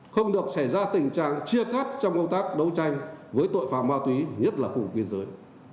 không được xảy ra tình trạng chia cắt trong công tác đấu tranh với tội phạm ma túy nhất là khu biên giới